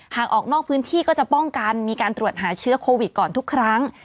หากออกนอกพื้นที่ก็จะป้องกันมีการตรวจหาเชื้อโควิดก่อนทุกครั้ง